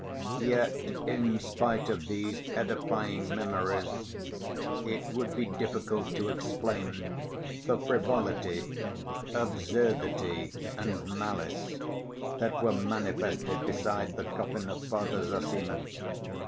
Yet, in spite of these edifying memories, it would be difficult to explain the frivolity, absurdity and malice that were manifested beside the coffin of Father Zossima.